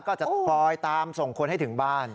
ก็จะคอยตามส่งคนให้ถึงบ้าน